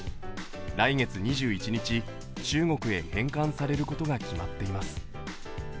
来月２１日、中国へ返還されることが決まっています。